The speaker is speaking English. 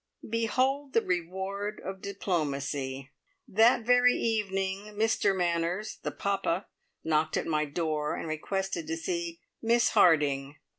Behold the reward of diplomacy. That very evening Mr Manners, the papa, knocked at my door and requested to see Miss Harding.